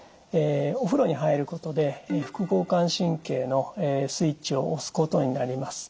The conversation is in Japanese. お風呂に入ることで副交感神経のスイッチを押すことになります。